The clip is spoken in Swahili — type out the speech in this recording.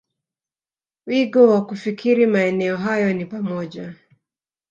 wigo wa kufikiri Maeneo hayo ni pamoja